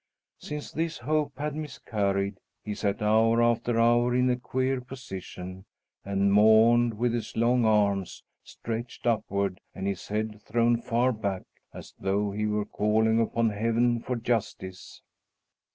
Since this hope had miscarried, he sat hour after hour in a queer position, and mourned, with his long arms stretched upward and his head thrown far back, as though he were calling upon heaven for justice.